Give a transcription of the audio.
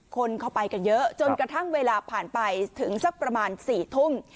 คนเข้าไปกันเยอะจนกระทั่งเวลาผ่านไปถึงสักประมาณ๔ทุ่ม